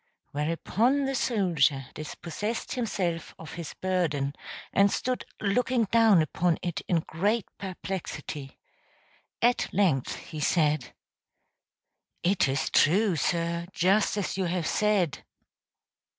Whereupon the soldier dispossessed himself of his burden, and stood looking down upon it in great perplexity. At length he said: "It is true, sir, just as you have said."